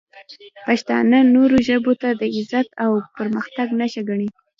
پښتانه نورو ژبو ته د عزت او پرمختګ نښه ګڼي.